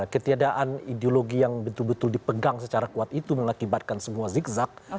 ketiadaan ideologi yang betul betul dipegang secara kuat itu mengakibatkan semua zigzag